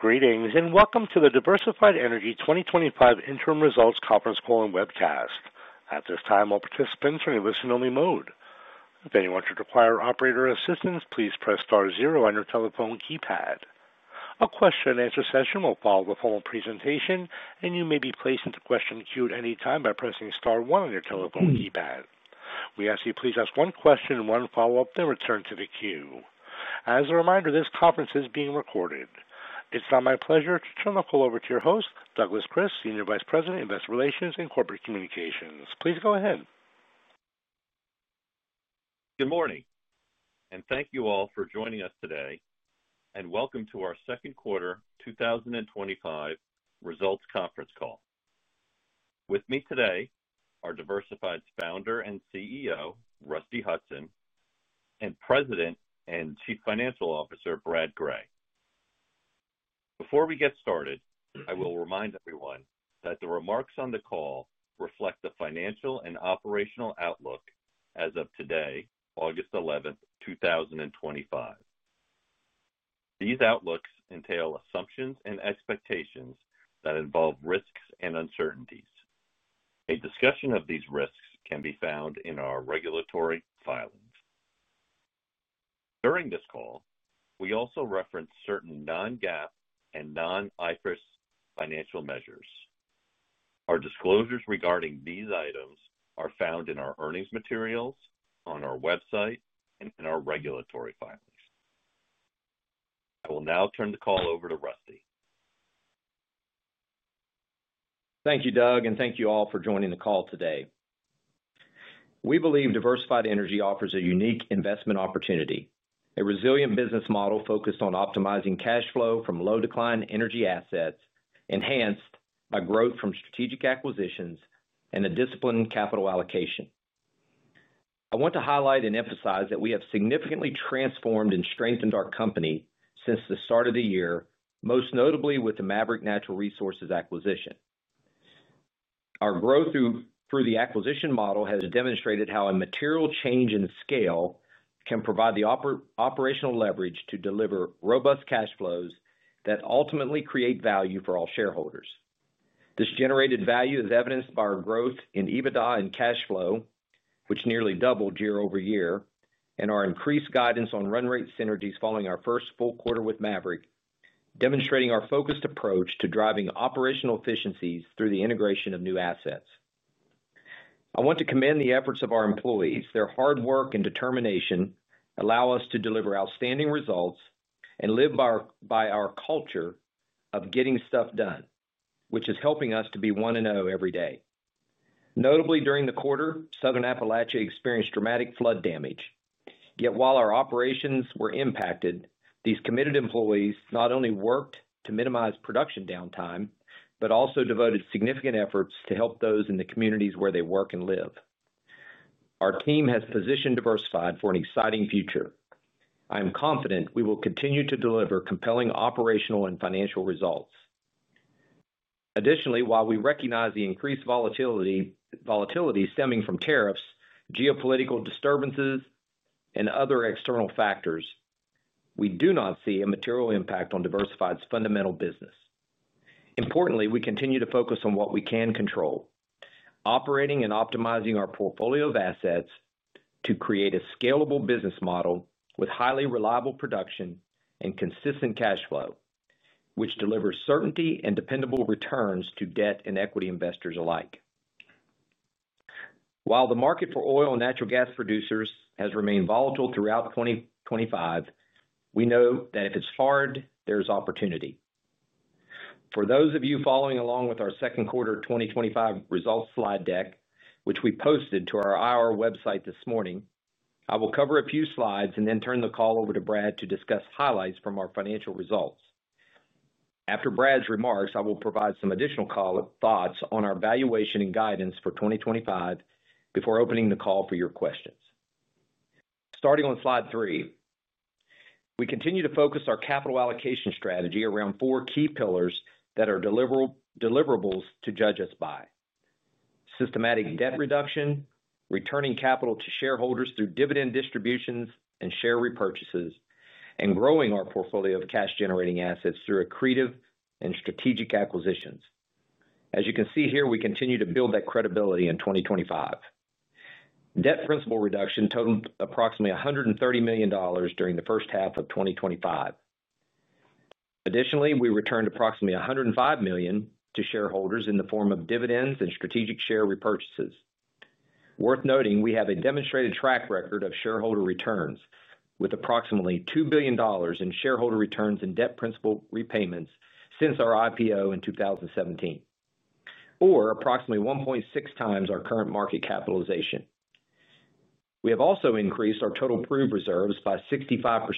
Greetings and welcome to the Diversified Energy 2025 Interim Results Conference Call and Webcast. At this time, all participants are in a listen-only mode. If anyone should require operator assistance, please press star zero on your telephone keypad. A question-and-answer session will follow the formal presentation, and you may be placed into the question queue at any time by pressing star one on your telephone keypad. We ask that you please ask one question and one follow-up, then return to the queue. As a reminder, this conference is being recorded. It's now my pleasure to turn the call over to your host, Douglas Kris, Senior Vice President, Investor Relations and Corporate Communications. Please go ahead. Good morning, and thank you all for joining us today, and welcome to our Second Quarter 2025 Results Conference Call. With me today are Diversified Energy Company's Founder and CEO, Rusty Hutson, and President and Chief Financial Officer, Brad Gray. Before we get started, I will remind everyone that the remarks on the call reflect the financial and operational outlook as of today, August 11th, 2025. These outlooks entail assumptions and expectations that involve risks and uncertainties. A discussion of these risks can be found in our regulatory filings. During this call, we also reference certain non-GAAP and non-IFRS financial measures. Our disclosures regarding these items are found in our earnings materials, on our website, and in our regulatory filings. I will now turn the call over to Rusty. Thank you, Doug, and thank you all for joining the call today. We believe Diversified Energy offers a unique investment opportunity, a resilient business model focused on optimizing cash flow from low-decline energy assets, enhanced by growth from strategic acquisitions, and a disciplined capital allocation. I want to highlight and emphasize that we have significantly transformed and strengthened our company since the start of the year, most notably with the Maverick Natural Resources acquisition. Our growth through the acquisition model has demonstrated how a material change in scale can provide the operational leverage to deliver robust cash flows that ultimately create value for all shareholders. This generated value is evidenced by our growth in EBITDA and cash flow, which nearly doubled year-over-year, and our increased guidance on run-rate synergies following our first full quarter with Maverick, demonstrating our focused approach to driving operational efficiencies through the integration of new assets. I want to commend the efforts of our employees. Their hard work and determination allow us to deliver outstanding results and live by our culture of getting stuff done, which is helping us to be one and own every day. Notably, during the quarter, Southern Appalachia experienced dramatic flood damage. Yet while our operations were impacted, these committed employees not only worked to minimize production downtime, but also devoted significant efforts to help those in the communities where they work and live. Our team has positioned Diversified for an exciting future. I am confident we will continue to deliver compelling operational and financial results. Additionally, while we recognize the increased volatility stemming from tariffs, geopolitical disturbances, and other external factors, we do not see a material impact on Diversified's fundamental business. Importantly, we continue to focus on what we can control, operating and optimizing our portfolio of assets to create a scalable business model with highly reliable production and consistent cash flow, which delivers certainty and dependable returns to debt and equity investors alike. While the market for oil and natural gas producers has remained volatile throughout 2025, we know that if it's hard, there's opportunity. For those of you following along with our second quarter 2025 results slide deck, which we posted to our IR website this morning, I will cover a few slides and then turn the call over to Brad to discuss highlights from our financial results. After Brad's remarks, I will provide some additional thoughts on our valuation and guidance for 2025 before opening the call for your questions. Starting on slide three, we continue to focus our capital allocation strategy around four key pillars that are deliverables to judge us by. Systematic debt reduction, returning capital to shareholders through dividend distributions and share repurchases, and growing our portfolio of cash-generating assets through accretive and strategic acquisitions. As you can see here, we continue to build that credibility in 2025. Debt principal reduction totaled approximately $130 million during the first half of 2025. Additionally, we returned approximately $105 million to shareholders in the form of dividends and strategic share repurchases. Worth noting, we have a demonstrated track record of shareholder returns, with approximately $2 billion in shareholder returns and debt principal repayments since our IPO in 2017, or approximately 1.6 times our current market capitalization. We have also increased our total proved reserves by 65%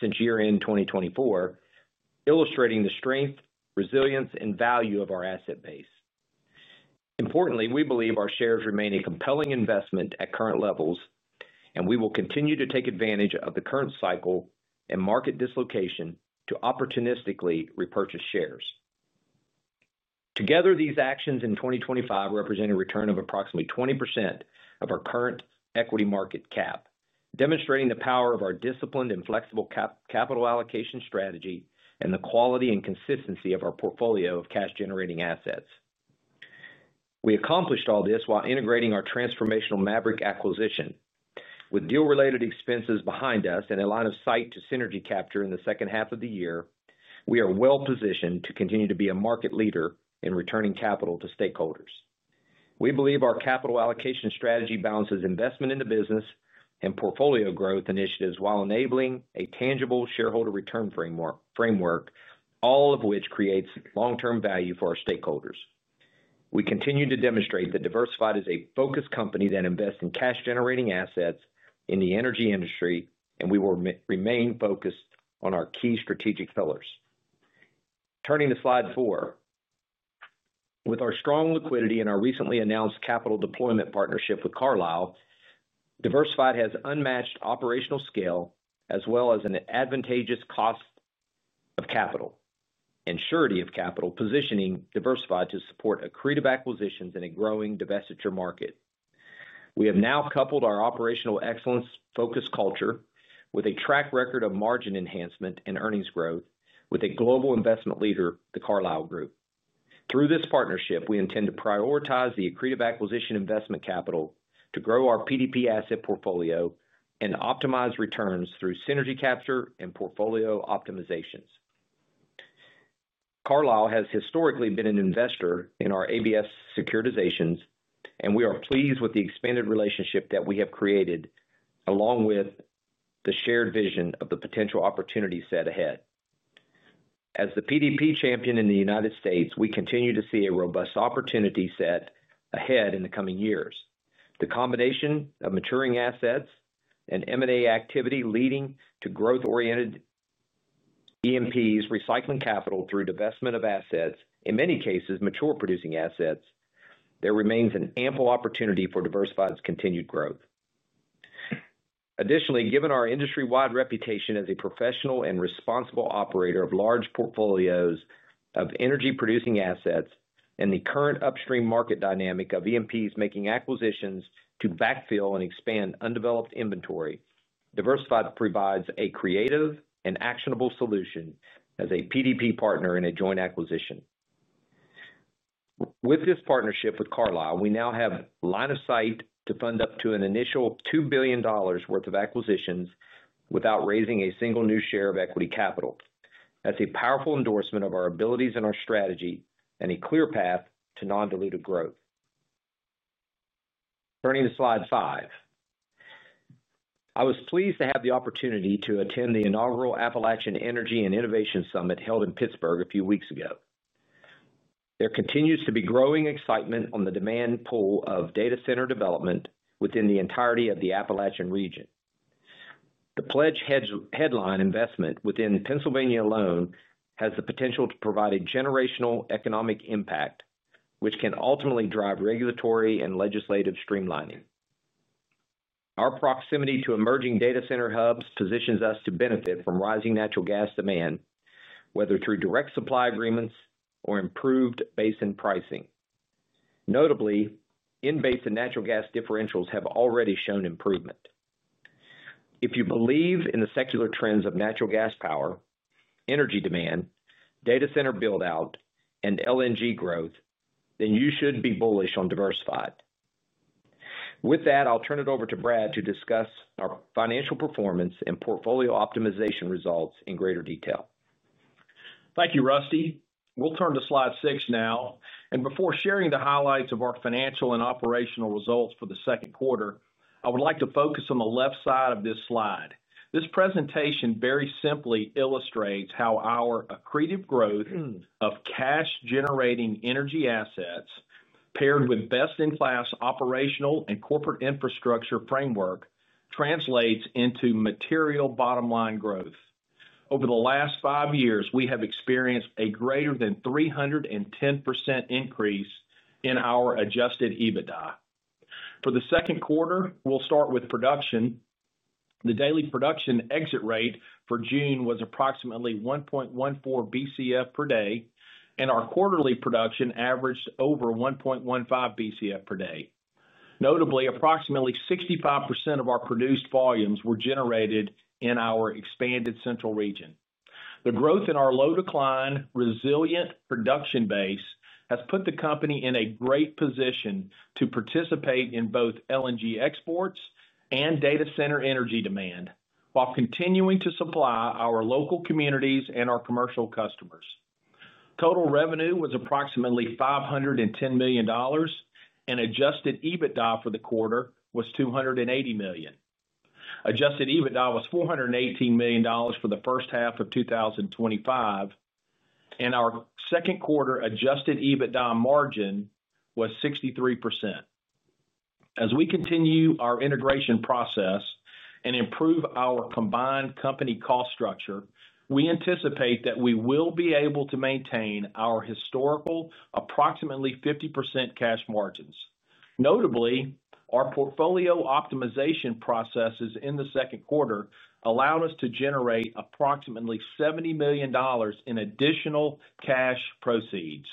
since year-end 2024, illustrating the strength, resilience, and value of our asset base. Importantly, we believe our shares remain a compelling investment at current levels, and we will continue to take advantage of the current cycle and market dislocation to opportunistically repurchase shares. Together, these actions in 2025 represent a return of approximately 20% of our current equity market cap, demonstrating the power of our disciplined and flexible capital allocation strategy and the quality and consistency of our portfolio of cash-generating assets. We accomplished all this while integrating our transformational Maverick Acquisition. With deal-related expenses behind us and a line of sight to synergy capture in the second half of the year, we are well positioned to continue to be a market leader in returning capital to stakeholders. We believe our capital allocation strategy balances investment in the business and portfolio growth initiatives while enabling a tangible shareholder return framework, all of which creates long-term value for our stakeholders. We continue to demonstrate that Diversified is a focused company that invests in cash-generating assets in the energy industry, and we will remain focused on our key strategic pillars. Turning to slide four, with our strong liquidity and our recently announced capital deployment partnership with Carlyle, Diversified has unmatched operational scale as well as an advantageous cost of capital and surety of capital, positioning Diversified to support accretive acquisitions in a growing divestiture market. We have now coupled our operational excellence-focused culture with a track record of margin enhancement and earnings growth with a global investment leader, The Carlyle Group. Through this partnership, we intend to prioritize the accretive acquisition investment capital to grow our PDP asset portfolio and optimize returns through synergy capture and portfolio optimization. Carlyle has historically been an investor in our ABS securitizations, and we are pleased with the expanded relationship that we have created along with the shared vision of the potential opportunity set ahead. As the PDP champion in the United States, we continue to see a robust opportunity set ahead in the coming years. The combination of maturing assets and M&A activity leading to growth-oriented EMPs recycling capital through divestment of assets, in many cases mature producing assets, there remains an ample opportunity for Diversified's continued growth. Additionally, given our industry-wide reputation as a professional and responsible operator of large portfolios of energy producing assets and the current upstream market dynamic of EMPs making acquisitions to backfill and expand undeveloped inventory, Diversified provides a creative and actionable solution as a PDP partner in a joint acquisition. With this partnership with Carlyle, we now have a line of sight to fund up to an initial $2 billion worth of acquisitions without raising a single new share of equity capital. That's a powerful endorsement of our abilities and our strategy and a clear path to non-diluted growth. Turning to slide 5. I was pleased to have the opportunity to attend the inaugural Appalachian Energy and Innovation Summit held in Pittsburgh a few weeks ago. There continues to be growing excitement on the demand pool of data center development within the entirety of the Appalachian region. The pledge headline, "Investment within Pennsylvania alone," has the potential to provide a generational economic impact, which can ultimately drive regulatory and legislative streamlining. Our proximity to emerging data center hubs positions us to benefit from rising natural gas demand, whether through direct supply agreements or improved basin pricing. Notably, in-basin natural gas differentials have already shown improvement. If you believe in the secular trends of natural gas power, energy demand, data center build-out, and LNG growth, then you should be bullish on Diversified. With that, I'll turn it over to Brad to discuss our financial performance and portfolio optimization results in greater detail. Thank you, Rusty. We'll turn to slide six now. Before sharing the highlights of our financial and operational results for the second quarter, I would like to focus on the left side of this slide. This presentation very simply illustrates how our accretive growth of cash-generating energy assets, paired with best-in-class operational and corporate infrastructure framework, translates into material bottom-line growth. Over the last five years, we have experienced a greater than 310% increase in our adjusted EBITDA. For the second quarter, we'll start with production. The daily production exit rate for June was approximately 1.14 BCF per day, and our quarterly production averaged over 1.15 BCF per day. Notably, approximately 65% of our produced volumes were generated in our expanded Central Region. The growth in our low-decline, resilient production base has put the company in a great position to participate in both LNG exports and data center energy demand while continuing to supply our local communities and our commercial customers. Total revenue was approximately $510 million, and adjusted EBITDA for the quarter was $280 million. Adjusted EBITDA was $418 million for the first half of 2025, and our second quarter adjusted EBITDA margin was 63%. As we continue our integration process and improve our combined company cost structure, we anticipate that we will be able to maintain our historical approximately 50% cash margins. Notably, our portfolio optimization processes in the second quarter allowed us to generate approximately $70 million in additional cash proceeds.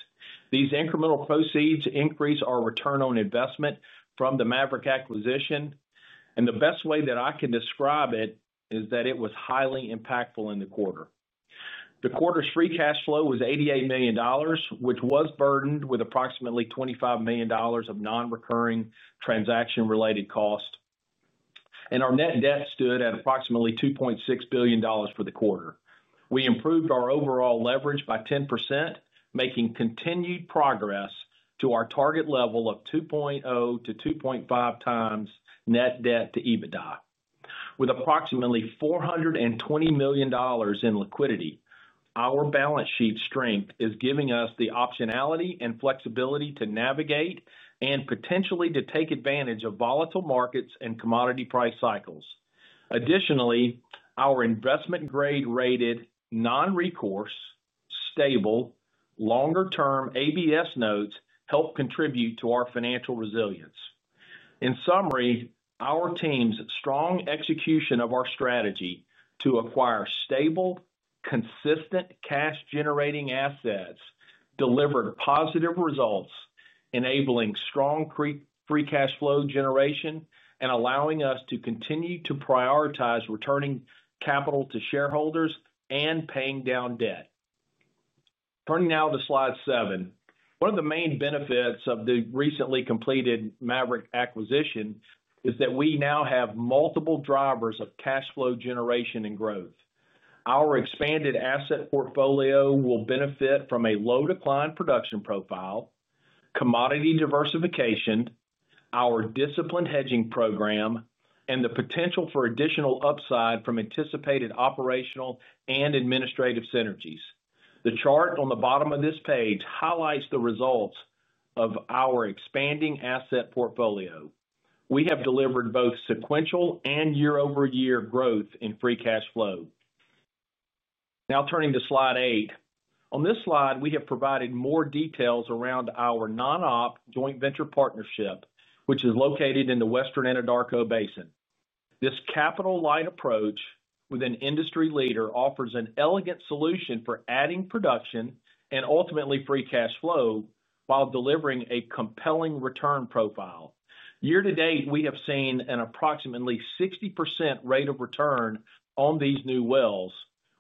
These incremental proceeds increase our return on investment from the Maverick acquisition, and the best way that I can describe it is that it was highly impactful in the quarter. The quarter's free cash flow was $88 million, which was burdened with approximately $25 million of non-recurring transaction-related costs, and our net debt stood at approximately $2.6 billion for the quarter. We improved our overall leverage by 10%, making continued progress to our target level of 2.0x-2.5x net debt to EBITDA. With approximately $420 million in liquidity, our balance sheet strength is giving us the optionality and flexibility to navigate and potentially to take advantage of volatile markets and commodity price cycles. Additionally, our investment-grade rated non-recourse, stable, longer-term ABS notes help contribute to our financial resilience. In summary, our team's strong execution of our strategy to acquire stable, consistent cash-generating assets delivered positive results, enabling strong free cash flow generation and allowing us to continue to prioritize returning capital to shareholders and paying down debt. Turning now to slide 7, one of the main benefits of the recently completed Maverick acquisition is that we now have multiple drivers of cash flow generation and growth. Our expanded asset portfolio will benefit from a low-decline production profile, commodity diversification, our disciplined hedging program, and the potential for additional upside from anticipated operational and administrative synergies. The chart on the bottom of this page highlights the results of our expanding asset portfolio. We have delivered both sequential and year-over-year growth in free cash flow. Now turning to slide 8, on this slide, we have provided more details around our non-op joint venture partnership, which is located in the Western Anadarko Basin. This capital-light approach with an industry leader offers an elegant solution for adding production and ultimately free cash flow while delivering a compelling return profile. Year-to-date, we have seen an approximately 60% rate of return on these new wells,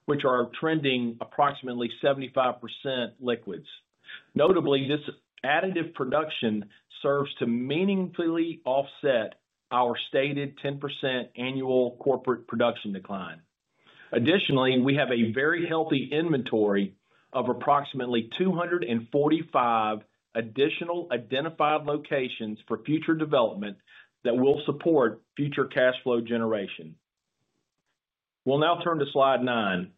which are trending approximately 75% liquids. Notably, this additive production serves to meaningfully offset our stated 10% annual corporate production decline. Additionally, we have a very healthy inventory of approximately 245 additional identified locations for future development that will support future cash flow generation. Now turning to slide nine.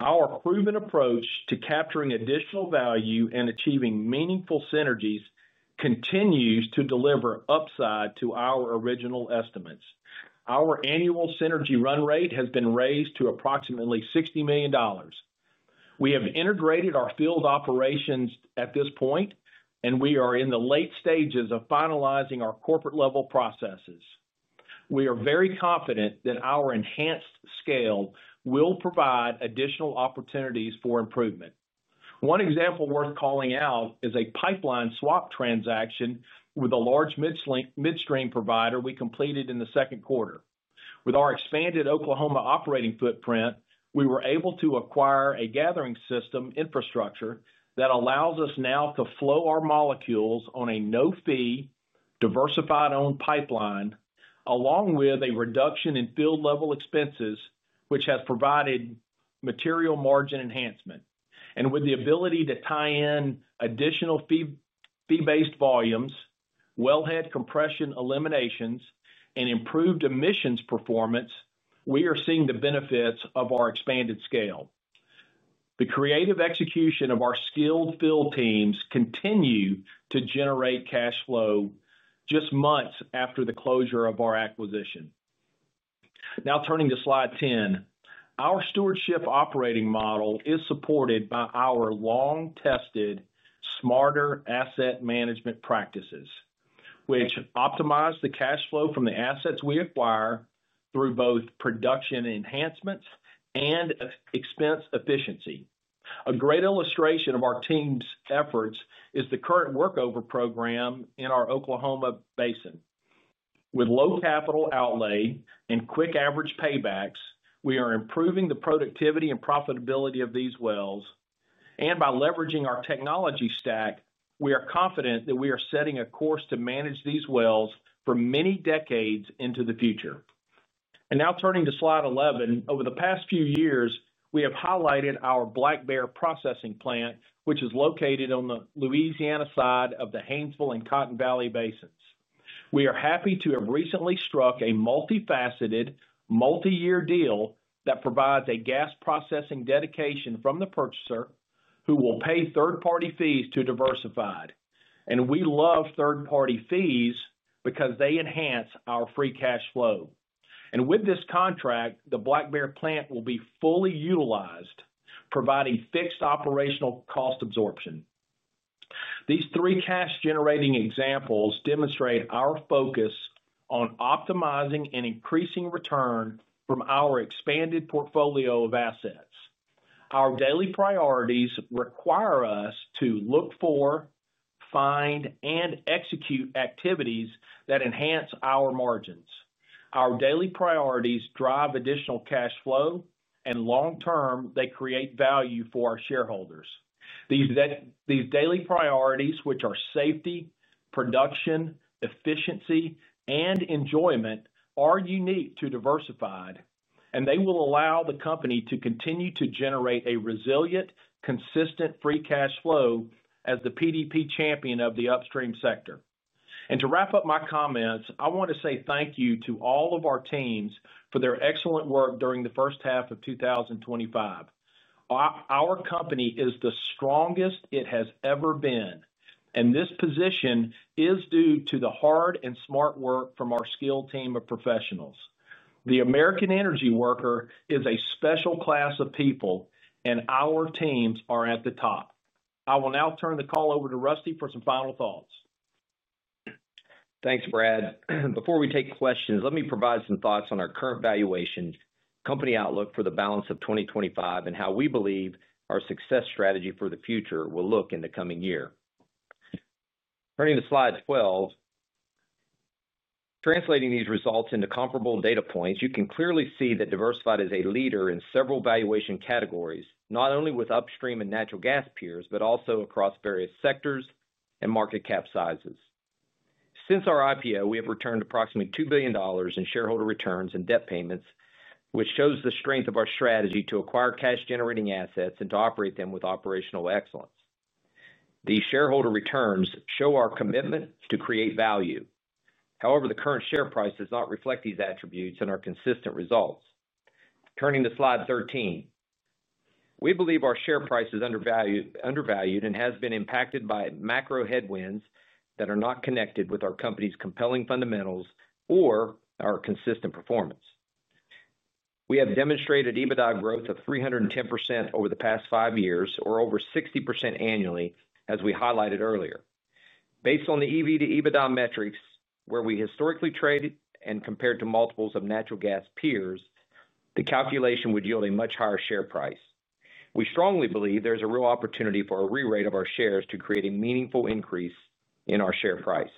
Our proven approach to capturing additional value and achieving meaningful synergies continues to deliver upside to our original estimates. Our annual synergy run rate has been raised to approximately $60 million. We have integrated our field operations at this point, and we are in the late stages of finalizing our corporate-level processes. We are very confident that our enhanced scale will provide additional opportunities for improvement. One example worth calling out is a pipeline swap transaction with a large midstream provider we completed in the second quarter. With our expanded Oklahoma operating footprint, we were able to acquire a gathering system infrastructure that allows us now to flow our molecules on a no-fee, Diversified-owned pipeline, along with a reduction in field-level expenses, which has provided material margin enhancement. With the ability to tie in additional fee-based volumes, wellhead compression eliminations, and improved emissions performance, we are seeing the benefits of our expanded scale. The creative execution of our skilled field teams continues to generate cash flow just months after the closure of our acquisition. Now turning to slide 10, our stewardship operating model is supported by our long-tested smarter asset management practices, which optimize the cash flow from the assets we acquire through both production enhancements and expense efficiency. A great illustration of our team's efforts is the current workover program in our Oklahoma Basin. With low capital outlay and quick average paybacks, we are improving the productivity and profitability of these wells, and by leveraging our technology stack, we are confident that we are setting a course to manage these wells for many decades into the future. Now turning to slide 11, over the past few years, we have highlighted our Black Bear processing plant, which is located on the Louisiana side of the Haynesville and Cotton Valley Basins. We are happy to have recently struck a multifaceted, multi-year deal that provides a gas processing dedication from the purchaser, who will pay third-party fees to Diversified. We love third-party fees because they enhance our free cash flow. With this contract, the Black Bear plant will be fully utilized, providing fixed operational cost absorption. These three cash-generating examples demonstrate our focus on optimizing and increasing return from our expanded portfolio of assets. Our daily priorities require us to look for, find, and execute activities that enhance our margins. Our daily priorities drive additional cash flow, and long-term, they create value for our shareholders. These daily priorities, which are safety, production, efficiency, and enjoyment, are unique to Diversified, and they will allow the company to continue to generate a resilient, consistent free cash flow as the PDP champion of the upstream sector. To wrap up my comments, I want to say thank you to all of our teams for their excellent work during the first half of 2025. Our company is the strongest it has ever been, and this position is due to the hard and smart work from our skilled team of professionals. The American energy worker is a special class of people, and our teams are at the top. I will now turn the call over to Rusty for some final thoughts. Thanks, Brad. Before we take questions, let me provide some thoughts on our current valuation, company outlook for the balance of 2025, and how we believe our success strategy for the future will look in the coming year. Turning to slide 12, translating these results into comparable data points, you can clearly see that Diversified is a leader in several valuation categories, not only with upstream and natural gas peers, but also across various sectors and market cap sizes. Since our IPO, we have returned approximately $2 billion in shareholder returns and debt payments, which shows the strength of our strategy to acquire cash-generating assets and to operate them with operational excellence. These shareholder returns show our commitment to create value. However, the current share price does not reflect these attributes in our consistent results. Turning to slide 13, we believe our share price is undervalued and has been impacted by macro headwinds that are not connected with our company's compelling fundamentals or our consistent performance. We have demonstrated EBITDA growth of 310% over the past five years, or over 60% annually, as we highlighted earlier. Based on the EV to EBITDA metrics, where we historically traded and compared to multiples of natural gas peers, the calculation would yield a much higher share price. We strongly believe there is a real opportunity for a re-rate of our shares to create a meaningful increase in our share price.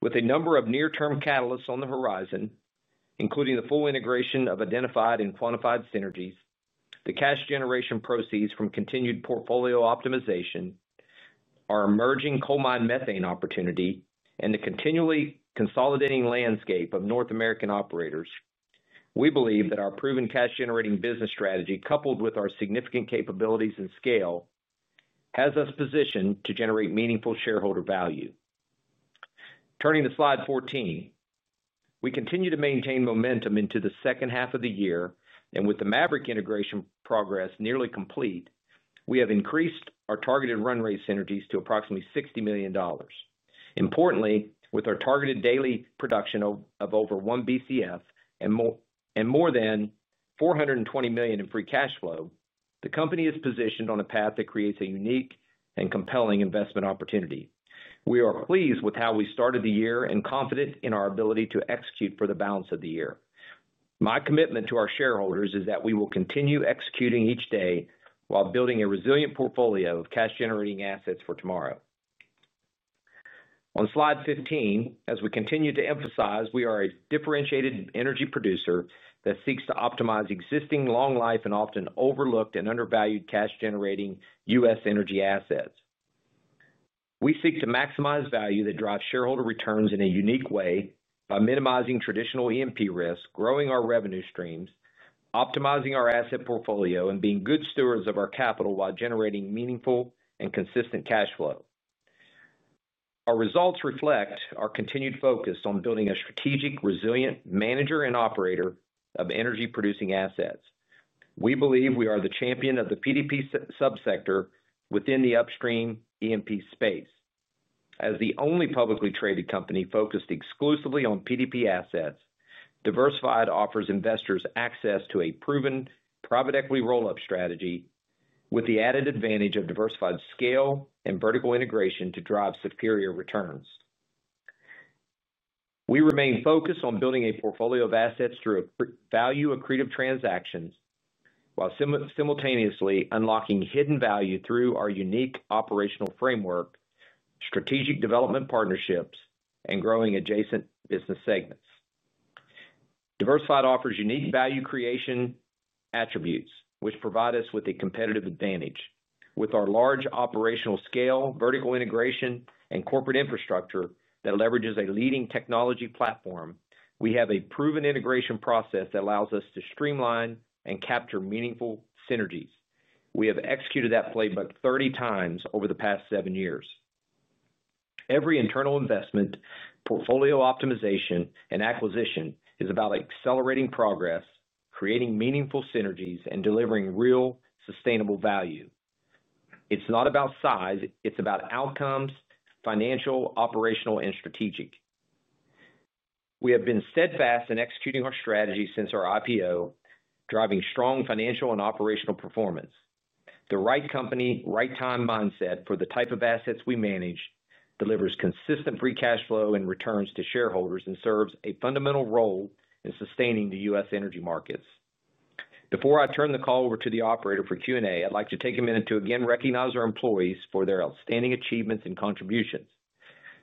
With a number of near-term catalysts on the horizon, including the full integration of identified and quantified synergies, the cash generation proceeds from continued portfolio optimization, our emerging coal mine methane opportunity, and the continually consolidating landscape of North American operators, we believe that our proven cash-generating business strategy, coupled with our significant capabilities and scale, has us positioned to generate meaningful shareholder value. Turning to slide 14, we continue to maintain momentum into the second half of the year, and with the Maverick integration progress nearly complete, we have increased our targeted run rate synergies to approximately $60 million. Importantly, with our targeted daily production of over 1 BCF and more than $420 million in free cash flow, the company is positioned on a path that creates a unique and compelling investment opportunity. We are pleased with how we started the year and confident in our ability to execute for the balance of the year. My commitment to our shareholders is that we will continue executing each day while building a resilient portfolio of cash-generating assets for tomorrow. On slide 15, as we continue to emphasize, we are a differentiated energy producer that seeks to optimize existing long-life and often overlooked and undervalued cash-generating U.S. energy assets. We seek to maximize value that drives shareholder returns in a unique way by minimizing traditional E&P risk, growing our revenue streams, optimizing our asset portfolio, and being good stewards of our capital while generating meaningful and consistent cash flow. Our results reflect our continued focus on building a strategic, resilient manager and operator of energy producing assets. We believe we are the champion of the PDP subsector within the upstream E&P space. As the only publicly traded company focused exclusively on PDP assets, Diversified offers investors access to a proven private equity roll-up strategy with the added advantage of Diversified's scale and vertical integration to drive superior returns. We remain focused on building a portfolio of assets through value accretive transactions while simultaneously unlocking hidden value through our unique operational framework, strategic development partnerships, and growing adjacent business segments. Diversified offers unique value creation attributes, which provide us with a competitive advantage. With our large operational scale, vertical integration, and corporate infrastructure that leverages a leading technology platform, we have a proven integration process that allows us to streamline and capture meaningful synergies. We have executed that playbook 30x over the past seven years. Every internal investment, portfolio optimization, and acquisition is about accelerating progress, creating meaningful synergies, and delivering real, sustainable value. It's not about size, it's about outcomes, financial, operational, and strategic. We have been steadfast in executing our strategy since our IPO, driving strong financial and operational performance. The right company, right time mindset for the type of assets we manage delivers consistent free cash flow and returns to shareholders and serves a fundamental role in sustaining the U.S. energy markets. Before I turn the call over to the operator for Q&A, I'd like to take a minute to again recognize our employees for their outstanding achievements and contributions.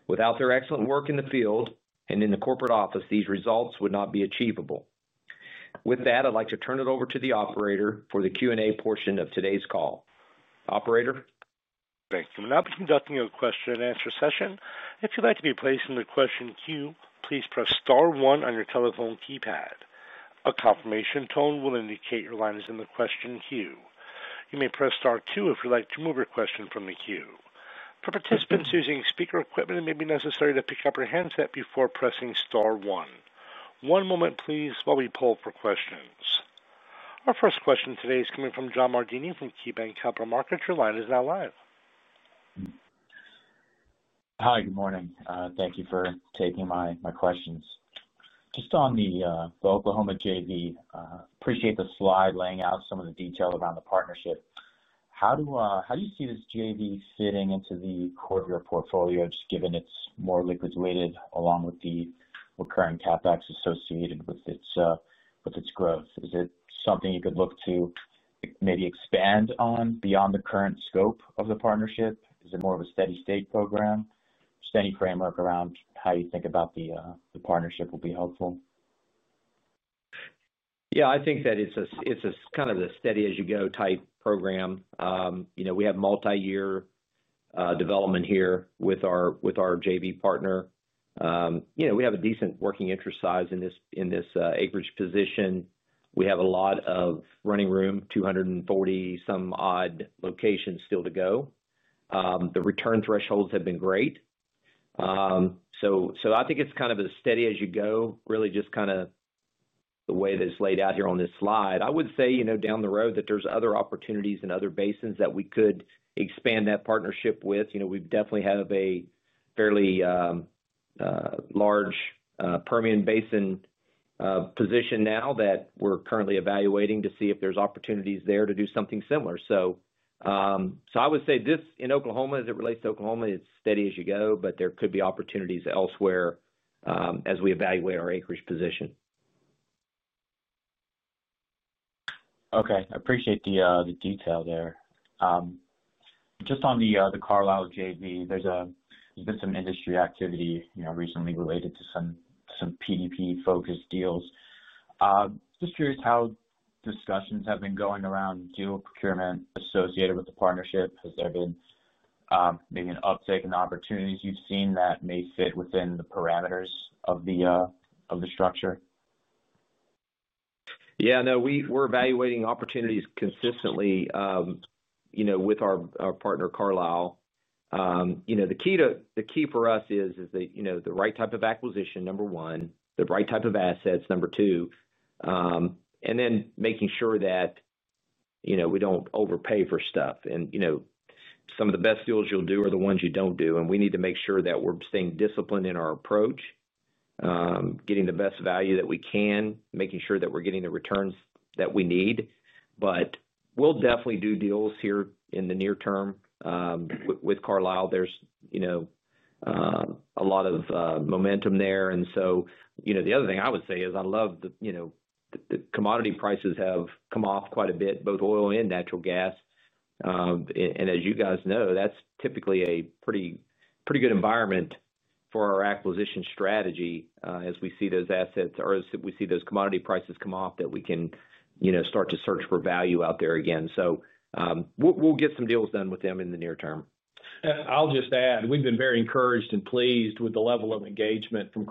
Without their excellent work in the field and in the corporate office, these results would not be achievable. With that, I'd like to turn it over to the operator for the Q&A portion of today's call. Operator? Thank you. Now I'll be conducting a question-and-answer session. If you'd like to be placed in the question queue, please press star one on your telephone keypad. A confirmation tone will indicate your line is in the question queue. You may press star two if you'd like to remove your question from the queue. For participants using speaker equipment, it may be necessary to pick up your headset before pressing star one. One moment, please, while we poll for questions. Our first question today is coming from Jon Mardini from KeyBanc Capital Markets. Your line is now live. Hi, good morning. Thank you for taking my questions. Just on the Oklahoma JV, I appreciate the slide laying out some of the detail around the partnership. How do you see this JV fitting into the core of your portfolio, just given it's more liquid weighted along with the recurring CapEx associated with its growth? Is it something you could look to maybe expand on beyond the current scope of the partnership? Is it more of a steady-state program? Any framework around how you think about the partnership will be helpful. Yeah, I think that it's a steady-as-you-go type program. We have multi-year development here with our JV partner. We have a decent working interest size in this acreage position. We have a lot of running room, 240 some odd locations still to go. The return thresholds have been great. I think it's kind of a steady-as-you-go, really just kind of the way that it's laid out here on this slide. I would say down the road that there's other opportunities in other basins that we could expand that partnership with. We definitely have a fairly large Permian Basin position now that we're currently evaluating to see if there's opportunities there to do something similar. I would say this in Oklahoma, as it relates to Oklahoma, it's steady as you go, but there could be opportunities elsewhere as we evaluate our acreage position. Okay, I appreciate the detail there. Just on the Carlyle JV, there's been some industry activity recently related to some PDP-focused deals. Just curious how discussions have been going around deal procurement associated with the partnership. Has there been maybe an uptake in the opportunities you've seen that may fit within the parameters of the structure? Yeah, no, we're evaluating opportunities consistently with our partner Carlyle. The key for us is the right type of acquisition, number one, the right type of assets, number two, and then making sure that we don't overpay for stuff. Some of the best deals you'll do are the ones you don't do, and we need to make sure that we're staying disciplined in our approach, getting the best value that we can, making sure that we're getting the returns that we need. We'll definitely do deals here in the near term. With Carlyle, there's a lot of momentum there. The other thing I would say is I love the commodity prices have come off quite a bit, both oil and natural gas. As you guys know, that's typically a pretty good environment for our acquisition strategy as we see those assets or as we see those commodity prices come off that we can start to search for value out there again. We'll get some deals done with them in the near term. I'll just add, we've been very encouraged and pleased with the level of engagement from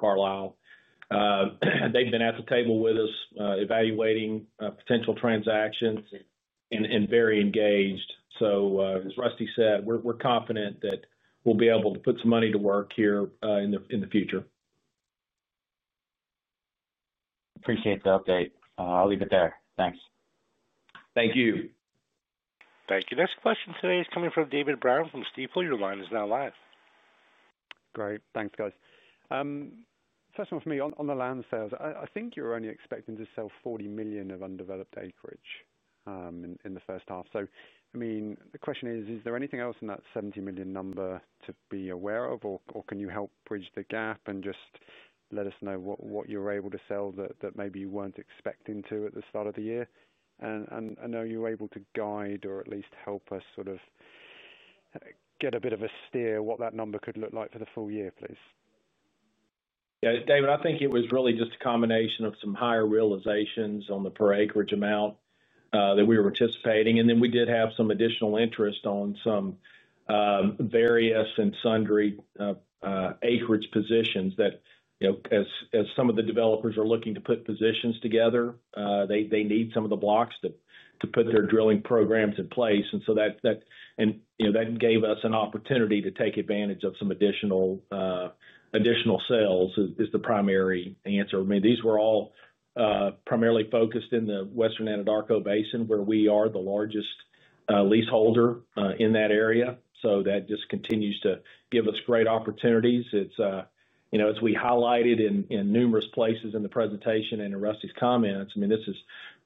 Carlyle. They've been at the table with us evaluating potential transactions and very engaged. As Rusty said, we're confident that we'll be able to put some money to work here in the future. Appreciate the update. I'll leave it there. Thanks. Thank you. Thank you. Next question today is coming from David Round from Stifel. Your line is now live. Great, thanks guys. First one for me on the land sales. I think you're only expecting to sell $40 million of undeveloped acreage in the first half. The question is, is there anything else in that $70 million number to be aware of, or can you help bridge the gap and just let us know what you're able to sell that maybe you weren't expecting to at the start of the year? I know you were able to guide or at least help us sort of get a bit of a steer what that number could look like for the full year, please. Yeah, David, I think it was really just a combination of some higher realizations on the per acreage amount that we were anticipating. We did have some additional interest on some various and sundry acreage positions that, as some of the developers are looking to put positions together, they need some of the blocks to put their drilling programs in place. That gave us an opportunity to take advantage of some additional sales, which is the primary answer. These were all primarily focused in the Western Anadarko Basin where we are the largest leaseholder in that area. That just continues to give us great opportunities. As we highlighted in numerous places in the presentation and in Rusty's comments, this is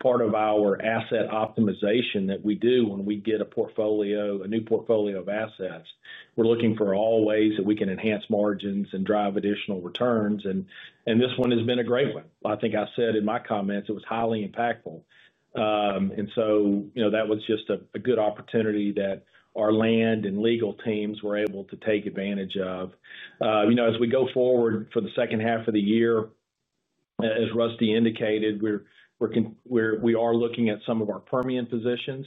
part of our asset optimization that we do when we get a new portfolio of assets. We're looking for all ways that we can enhance margins and drive additional returns. This one has been a great one. I think I said in my comments it was highly impactful. That was just a good opportunity that our land and legal teams were able to take advantage of. As we go forward for the second half of the year, as Rusty indicated, we are looking at some of our Permian positions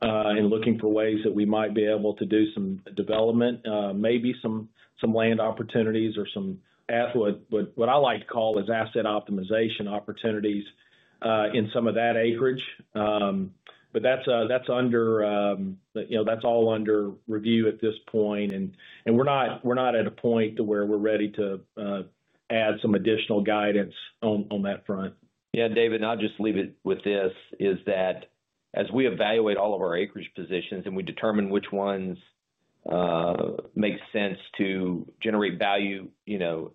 and looking for ways that we might be able to do some development, maybe some land opportunities or some, what I like to call, asset optimization opportunities in some of that acreage. That's all under review at this point. We're not at a point to where we're ready to add some additional guidance on that front. David, I'll just leave it with this, as we evaluate all of our acreage positions and we determine which ones make sense to generate value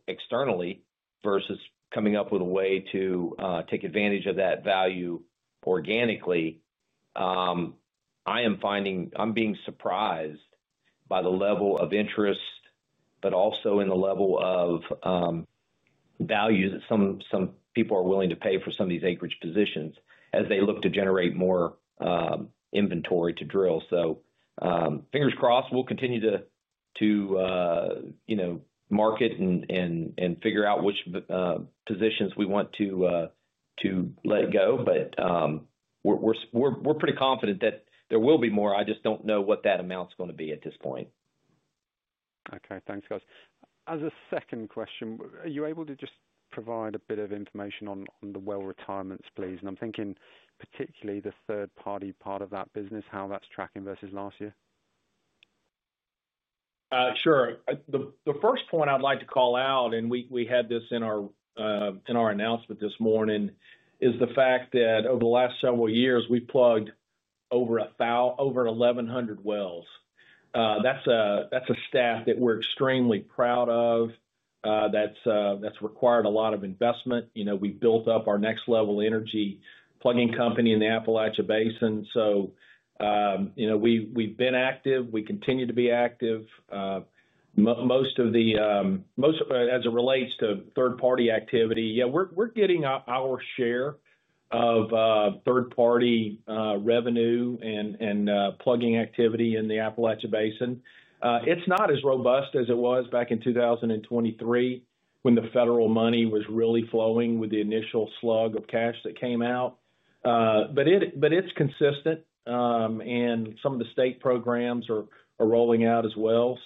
externally versus coming up with a way to take advantage of that value organically, I am finding, I'm being surprised by the level of interest, but also in the level of value that some people are willing to pay for some of these acreage positions as they look to generate more inventory to drill. Fingers crossed, we'll continue to market and figure out which positions we want to let go. We're pretty confident that there will be more. I just don't know what that amount's going to be at this point. Okay, thanks guys. As a second question, are you able to just provide a bit of information on the well retirements, please? I'm thinking particularly the third-party part of that business, how that's tracking versus last year. Sure. The first point I'd like to call out, and we had this in our announcement this morning, is the fact that over the last several years, we've plugged over 1,100 wells. That's a stat that we're extremely proud of. That's required a lot of investment. We built up our next level energy plug-in company in the Appalachia Basin. We've been active. We continue to be active. Most of the, as it relates to third-party activity, yeah, we're getting our share of third-party revenue and plugging activity in the Appalachia Basin. It's not as robust as it was back in 2023 when the federal money was really flowing with the initial slug of cash that came out. It's consistent, and some of the state programs are rolling out as well.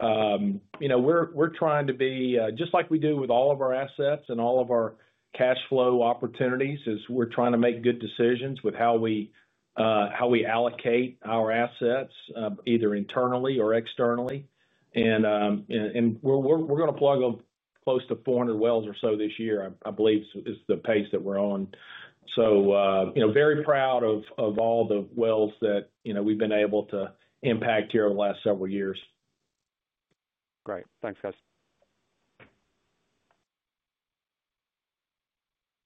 We're trying to be, just like we do with all of our assets and all of our cash flow opportunities, we're trying to make good decisions with how we allocate our assets, either internally or externally. We're going to plug close to 400 wells or so this year, I believe, is the pace that we're on. Very proud of all the wells that we've been able to impact here over the last several years. Great, thanks guys.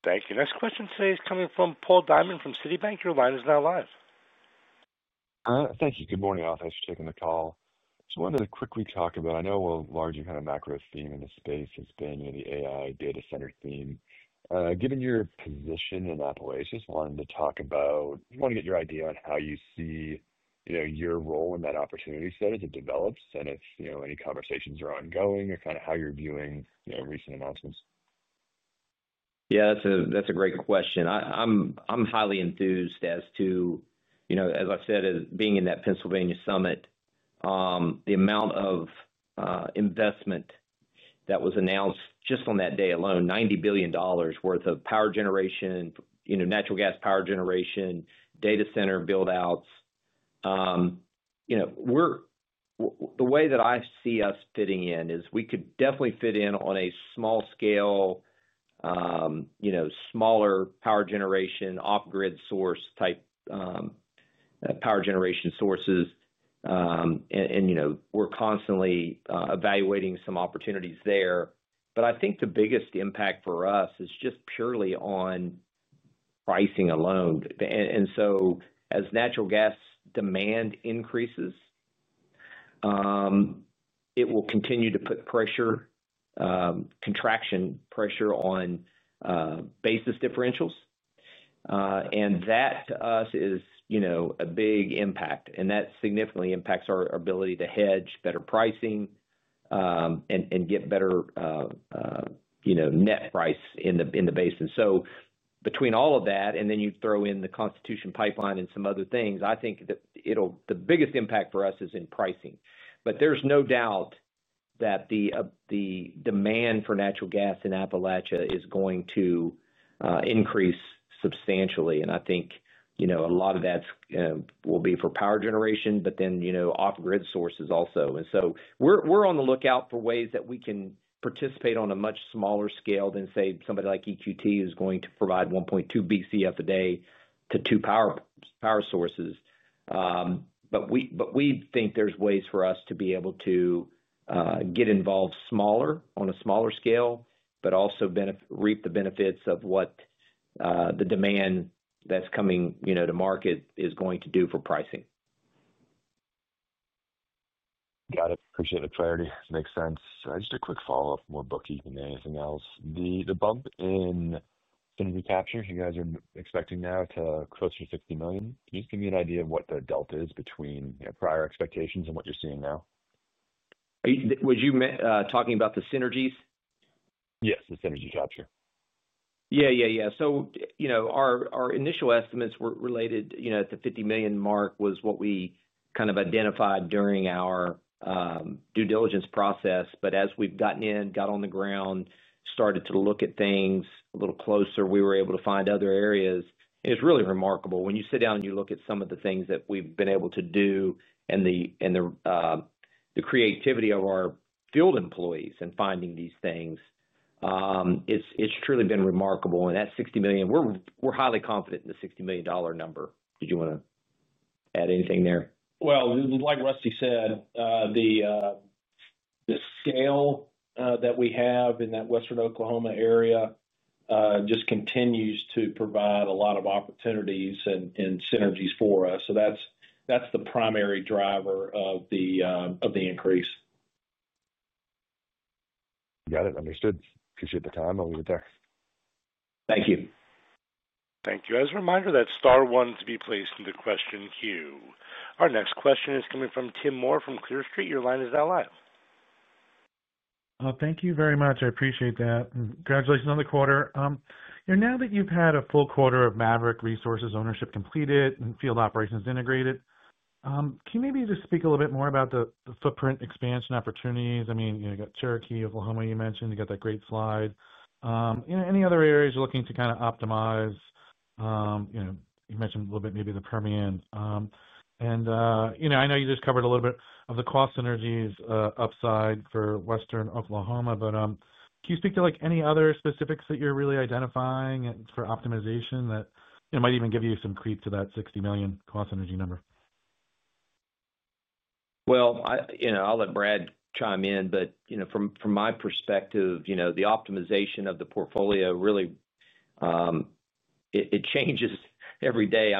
Thank you. Next question today is coming from Paul Diamond from Citi. Your line is now live. Thank you. Good morning, Al. Thanks for taking the call. I wanted to quickly talk about, I know a large kind of macro theme in this space has been the AI data center theme. Given your position in Appalachia, I just wanted to talk about, I want to get your idea on how you see your role in that opportunity set as it develops and if any conversations are ongoing or how you're viewing recent announcements. Yeah, that's a great question. I'm highly enthused as to, you know, as I said, being in that Pennsylvania summit, the amount of investment that was announced just on that day alone, $90 billion worth of power generation, you know, natural gas power generation, data center build-outs. The way that I see us fitting in is we could definitely fit in on a small scale, you know, smaller power generation, off-grid source type power generation sources. We're constantly evaluating some opportunities there. I think the biggest impact for us is just purely on pricing alone. As natural gas demand increases, it will continue to put pressure, contraction pressure on basis differentials. That, to us, is a big impact. That significantly impacts our ability to hedge better pricing and get better net price in the basin. Between all of that, and then you throw in the Constitution pipeline and some other things, I think that the biggest impact for us is in pricing. There's no doubt that the demand for natural gas in Appalachia is going to increase substantially. I think a lot of that will be for power generation, but then, you know, off-grid sources also. We're on the lookout for ways that we can participate on a much smaller scale than, say, somebody like EQT is going to provide 1.2 BCF per day to two power sources. We think there's ways for us to be able to get involved on a smaller scale, but also reap the benefits of what the demand that's coming, you know, to market is going to do for pricing. Got it. Appreciate the clarity. Makes sense. Just a quick follow-up, more booky than anything else. The bump in synergy captures, you guys are expecting now to close to $60 million. Can you just give me an idea of what the delta is between prior expectations and what you're seeing now? Were you talking about the synergies? Yes, the synergy capture. Our initial estimates were related at the $50 million mark, which was what we kind of identified during our due diligence process. As we've gotten in, got on the ground, started to look at things a little closer, we were able to find other areas. It was really remarkable. When you sit down and you look at some of the things that we've been able to do and the creativity of our field employees in finding these things, it's truly been remarkable. That $60 million, we're highly confident in the $60 million number. Did you want to add anything there? Like Rusty said, the scale that we have in that Western Oklahoma area just continues to provide a lot of opportunities and synergies for us. That's the primary driver of the increase. Got it. Understood. Appreciate the time. I'll leave it there. Thank you. Thank you. As a reminder, that's star one to be placed in the question queue. Our next question is coming from Tim Moore from Clear Street. Your line is now live. Thank you very much. I appreciate that. Congratulations on the quarter. Now that you've had a full quarter of Maverick Natural Resources ownership completed and field operations integrated, can you maybe just speak a little bit more about the footprint expansion opportunities? I mean, you know, you got Cherokee, Oklahoma, you mentioned, you got that great slide. Any other areas you're looking to kind of optimize? You mentioned a little bit maybe the Permian. I know you just covered a little bit of the cost synergies upside for Western Oklahoma, but can you speak to any other specifics that you're really identifying for optimization that might even give you some creep to that $60 million cost synergy number? I'll let Brad chime in, but from my perspective, the optimization of the portfolio really changes every day.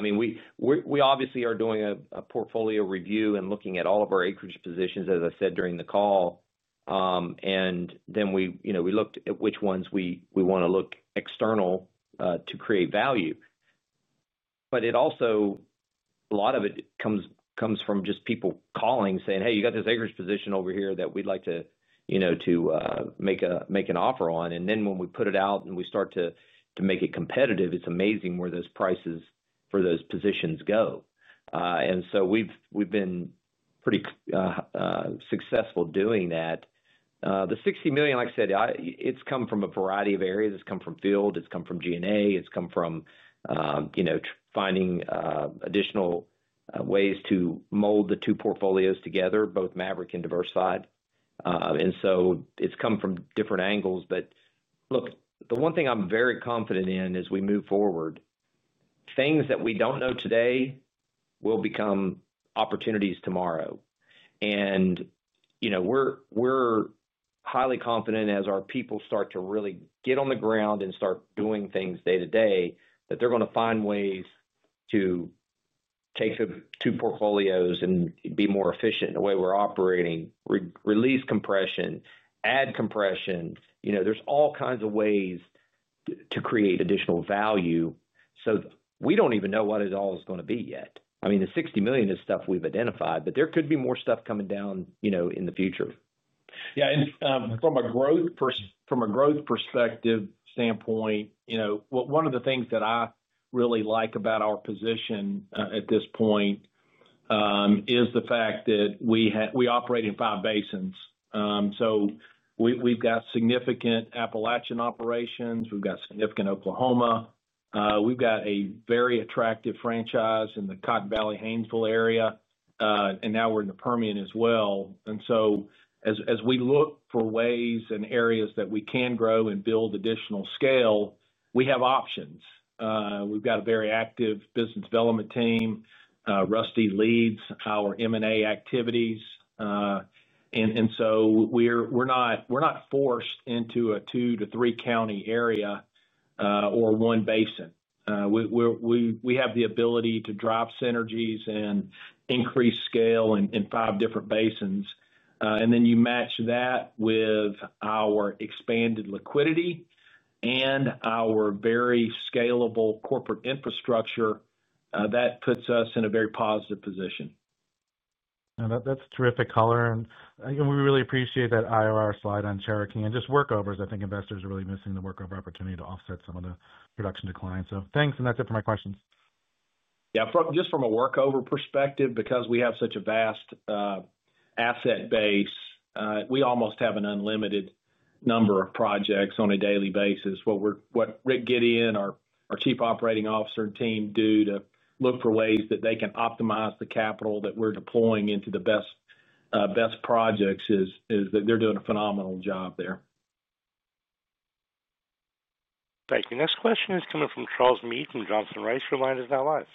We obviously are doing a portfolio review and looking at all of our acreage positions, as I said during the call. We looked at which ones we want to look external to create value. A lot of it comes from just people calling saying, "Hey, you got this acreage position over here that we'd like to make an offer on." When we put it out and we start to make it competitive, it's amazing where those prices for those positions go. We've been pretty successful doing that. The $60 million, like I said, it's come from a variety of areas. It's come from field, it's come from G&A, it's come from finding additional ways to mold the two portfolios together, both Maverick and Diversified. It's come from different angles. The one thing I'm very confident in is as we move forward, things that we don't know today will become opportunities tomorrow. We're highly confident as our people start to really get on the ground and start doing things day to day that they're going to find ways to take the two portfolios and be more efficient in the way we're operating, release compression, add compression. There are all kinds of ways to create additional value. We don't even know what it all is going to be yet. The $60 million is stuff we've identified, but there could be more stuff coming down in the future. Yeah, from a growth perspective standpoint, one of the things that I really like about our position at this point is the fact that we operate in five basins. We've got significant Appalachian operations, we've got significant Oklahoma, we've got a very attractive franchise in the Cotton Valley, Haynesville area, and now we're in the Permian as well. As we look for ways and areas that we can grow and build additional scale, we have options. We've got a very active business development team. Rusty leads our M&A activities. We're not forced into a two to three county area or one basin. We have the ability to drive synergies and increase scale in five different basins. You match that with our expanded liquidity and our very scalable corporate infrastructure that puts us in a very positive position. That's terrific call end. We really appreciate that IOR slide on Cherokee and just workovers. I think investors are really missing the workover opportunity to offset some of the production decline. Thanks, that's it for my questions. Yeah, just from a workover perspective, because we have such a vast asset base, we almost have an unlimited number of projects on a daily basis. What Rick Gideon, our Chief Operating Officer, and Tim do to look for ways that they can optimize the capital that we're deploying into the best projects is that they're doing a phenomenal job there. Thank you. Next question is coming from Charles Meade from Johnson Rice. Your line is now live.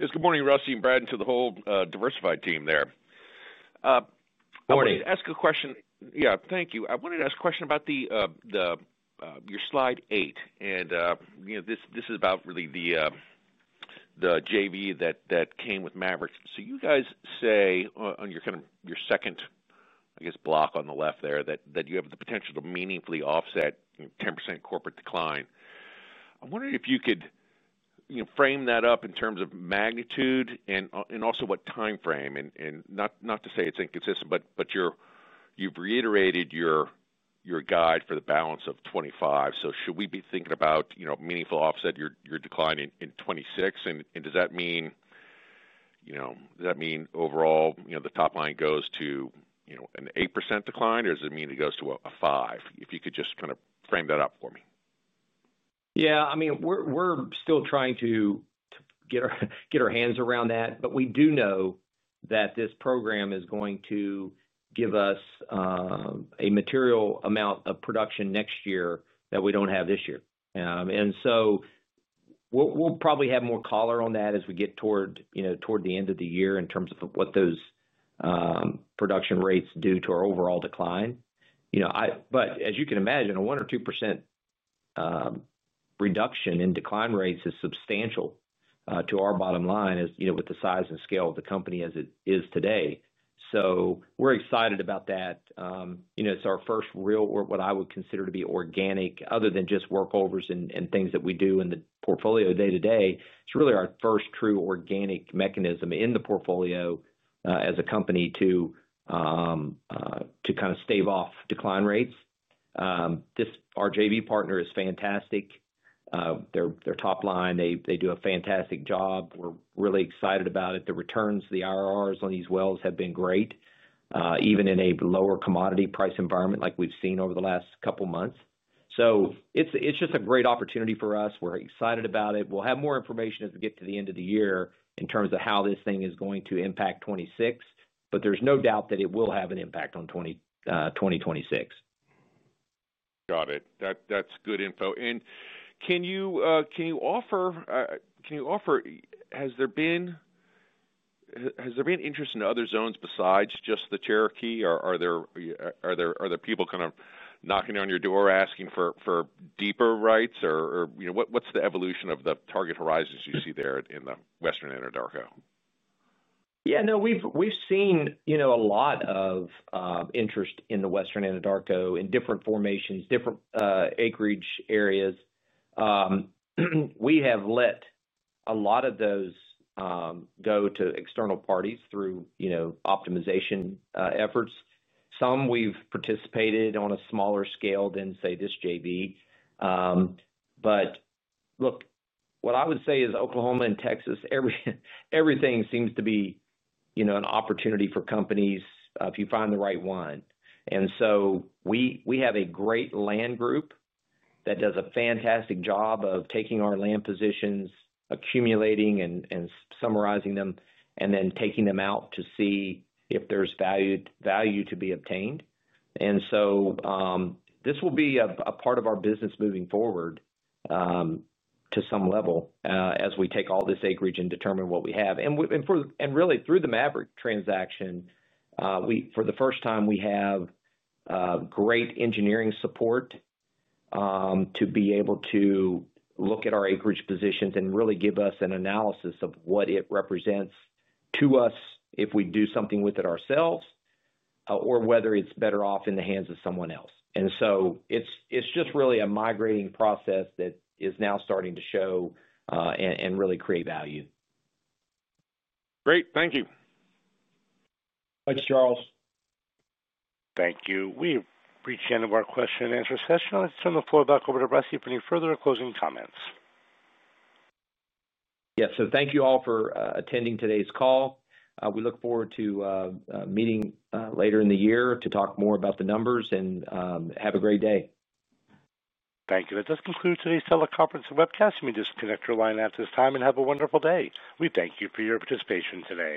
Yes, good morning, Rusty and Brad, and to the whole Diversified team there. Morning. Thank you. I wanted to ask a question about your slide 8. This is about really the JV that came with Maverick. You guys say on your second, I guess, block on the left there that you have the potential to meaningfully offset 10% corporate decline. I'm wondering if you could frame that up in terms of magnitude and also what timeframe. You've reiterated your guide for the balance of 2025. Should we be thinking about meaningful offset to your decline in 2026? Does that mean overall the top line goes to an 8% decline or does it mean it goes to a 5%? If you could just kind of frame that up for me. Yeah, I mean, we're still trying to get our hands around that, but we do know that this program is going to give us a material amount of production next year that we don't have this year. We'll probably have more color on that as we get toward the end of the year in terms of what those production rates do to our overall decline. As you can imagine, a 1% or 2% reduction in decline rates is substantial to our bottom line, as you know, with the size and scale of the company as it is today. We're excited about that. It's our first real, what I would consider to be organic, other than just workovers and things that we do in the portfolio day to day. It's really our first true organic mechanism in the portfolio as a company to kind of stave off decline rates. Our JV partner is fantastic. Their top line, they do a fantastic job. We're really excited about it. The returns, the IRRs on these wells have been great, even in a lower commodity price environment like we've seen over the last couple of months. It's just a great opportunity for us. We're excited about it. We'll have more information as we get to the end of the year in terms of how this thing is going to impact 2026, but there's no doubt that it will have an impact on 2026. That's good info. Can you offer, has there been interest in other zones besides just the Cherokee? Are there people kind of knocking on your door asking for deeper rights? What's the evolution of the target horizons you see there in the Western Anadarko? Yeah, no, we've seen a lot of interest in the Western Anadarko in different formations, different acreage areas. We have let a lot of those go to external parties through optimization efforts. Some we've participated on a smaller scale than, say, this JV. What I would say is Oklahoma and Texas, everything seems to be an opportunity for companies if you find the right one. We have a great land group that does a fantastic job of taking our land positions, accumulating and summarizing them, and then taking them out to see if there's value to be obtained. This will be a part of our business moving forward to some level as we take all this acreage and determine what we have. Really, through the Maverick transaction, for the first time, we have great engineering support to be able to look at our acreage positions and really give us an analysis of what it represents to us if we do something with it ourselves or whether it's better off in the hands of someone else. It's just really a migrating process that is now starting to show and really create value. Great, thank you. Thanks, Charles. Thank you. We appreciate the end of our question-and-answer session. Let's turn the floor back over to Rusty for any further closing comments. Thank you all for attending today's call. We look forward to meeting later in the year to talk more about the numbers, and have a great day. Thank you. That does conclude today's teleconference and webcast. You may disconnect your line at this time and have a wonderful day. We thank you for your participation today.